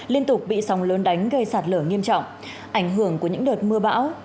liên tục bị sóng lớn đánh gây sạt lở nghiêm trọng ảnh hưởng của những đợt mưa bão